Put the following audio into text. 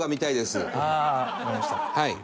はい。